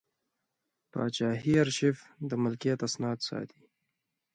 پاچاهي ارشیف د ملکیت اسناد ساتي.